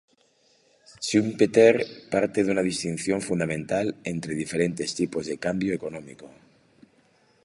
Schumpeter parte de una distinción fundamental entre diferentes tipos de cambio económico.